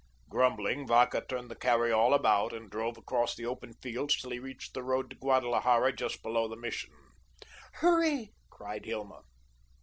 Grumbling, Vacca turned the carry all about and drove across the open fields till he reached the road to Guadalajara, just below the Mission. "Hurry!" cried Hilma.